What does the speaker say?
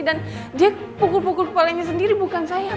dan dia pukul pukul kepalanya sendiri bukan saya pak